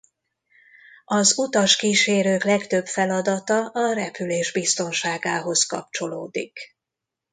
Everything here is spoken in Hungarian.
Az utaskísérők legtöbb feladata a repülés biztonságához kapcsolódik.